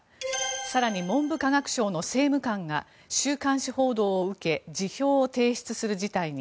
更に、文部科学省の政務官が週刊誌報道を受け辞表を提出する事態に。